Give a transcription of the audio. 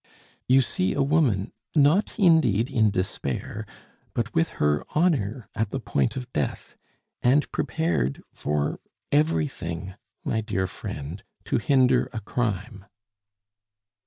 "You see a woman, not indeed in despair, but with her honor at the point of death, and prepared for everything, my dear friend, to hinder a crime."